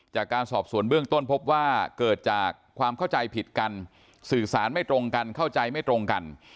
จากการสอบสวนเบื้องต้นพบว่าเกิดจากความเข้าใจผิดกันสื่อสารไม่ตรงกันเข้าใจไม่ตรงกัน